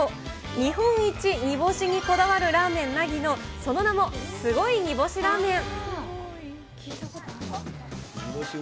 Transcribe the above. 日本一煮干しにこだわるラーメン凪のその名も、すごい煮干ラーメン。